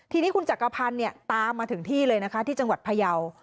ทีนี้คุณจักรพันธ์ตามมาถึงที่เลยนะคะที่จังหวัดพยาว